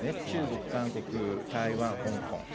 中国、韓国、台湾、香港。